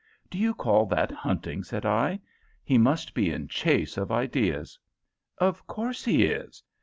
"Do you call that hunting?" said I; "He must be in chase of ideas." "Of course he is.